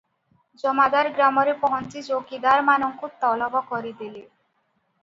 ଜମାଦାର ଗ୍ରାମରେ ପହଞ୍ଚି ଚୌକିଦାରମାନଙ୍କୁ ତଲବ କରି ଦେଲେ ।